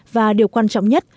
và điều quan trọng nhất